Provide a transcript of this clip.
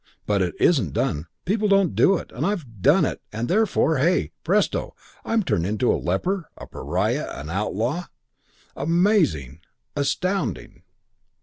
But it isn't done. People don't do it, and I've done it and therefore hey, presto, I'm turned into a leper, a pariah, an outlaw. Amazing, astounding!'